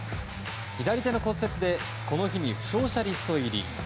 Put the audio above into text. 左手の骨折でこの日に負傷者リスト入り。